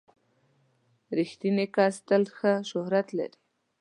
• رښتینی کس تل ښه شهرت لري.